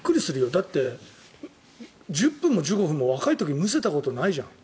だって、１０分も１５分も若い時むせたことないじゃん。